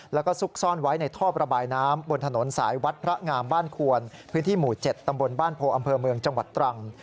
แล้วก็ซุกซ่อนไว้ในท่อประบายน้ำบนถนนสายวัดพระงามบ้านควรพื้นที่หมู่๗ตำบลบ้านโพอำเภอเมืองจังหวัดตรัง